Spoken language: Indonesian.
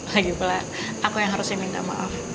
lagipula aku yang harus minta maaf